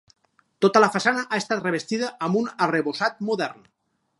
Tota la façana ha estat revestida amb un arrebossat modern.